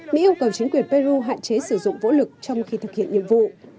mỹ yêu cầu chính quyền peru hạn chế sử dụng vũ lực trong khi thực hiện nhiệm vụ